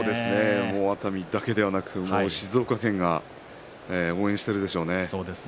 熱海だけではなく静岡県が応援しているでしょうね。